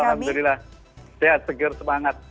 alhamdulillah sehat seger semangat